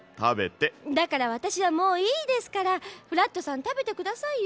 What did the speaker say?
だからわたしはもういいですからフラットさん食べてくださいよ。